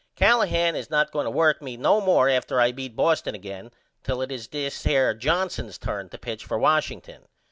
Callahan is not going to work me no more after I beat Boston again till it is this here Johnson's turn to pitch for Washington.